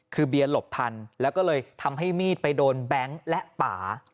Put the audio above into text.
คือเบียร์หลบทันแล้วก็เลยทำให้มีดไปโดนแบงค์และป่า